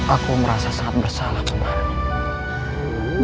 aku merasa sangat bersalah kemarin